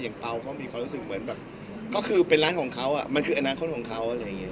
เปล่าก็มีความรู้สึกเหมือนแบบก็คือเป็นร้านของเขามันคืออนาคตของเขาอะไรอย่างนี้